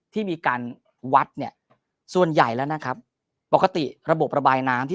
ที่มีการวัดเนี่ยส่วนใหญ่แล้วนะครับปกติระบบระบายน้ำที่